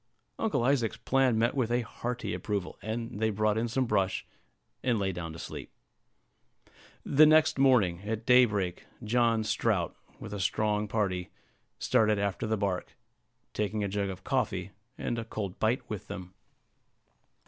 Uncle Isaac's plan met with a hearty approval; and they brought in some brush, and lay down to sleep. The next morning, at daybreak, John Strout, with a strong party, started after the bark, taking a jug of coffee and a cold bite with them.